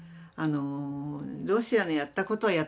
ロシアのやったことはやったことです。